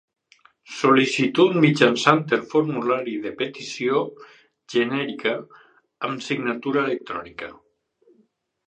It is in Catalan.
Sol·licitud mitjançant el formulari de petició genèrica amb signatura electrònica.